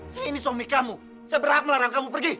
saya ini suami kamu saya berhak melarang kamu pergi